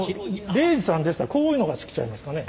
礼二さんでしたらこういうのが好きちゃいますかね？